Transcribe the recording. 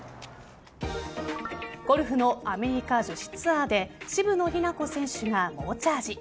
ゴルフのアメリカ女子ツアーで渋野日向子選手が猛チャージ。